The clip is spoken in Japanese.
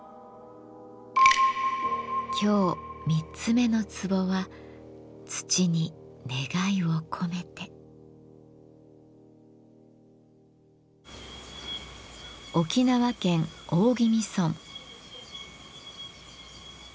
今日３つ目の壺は沖縄県大宜味村。